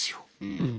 うん。